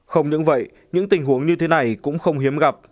không những vậy những tình huống như thế này cũng không hiếm gặp